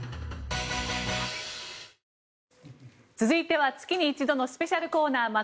続いては月に一度のスペシャルコーナー